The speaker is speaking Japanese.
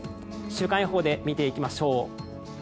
週間予報で見ていきましょう。